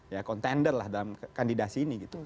ya kontender dalam kandidasi ini